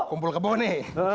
kumpul kebo nih